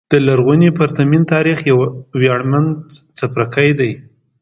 د لرغوني پرتمین تاریخ یو ویاړمن څپرکی دی.